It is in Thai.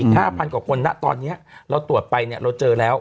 ห้าพันกว่าคนนะตอนนี้เราตรวจไปเนี่ยเราเจอแล้ว